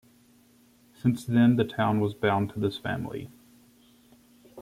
Since then, the town was bound to this family.